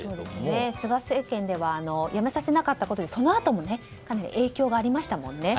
菅政権では辞めさせなかったのでそのあともかなり影響がありましたもんね。